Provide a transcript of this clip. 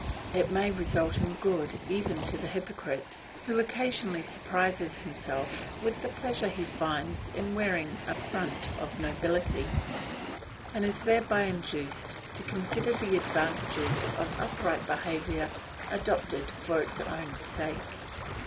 It may result in good even to the hypocrite, who occasionally surprises himself with the pleasure he finds in wearing a front of nobility, and is thereby induced to consider the advantages of upright behaviour adopted for its own sake.